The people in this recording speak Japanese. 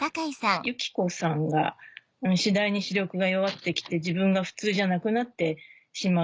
ユキコさんが次第に視力が弱って来て自分が普通じゃなくなってしまう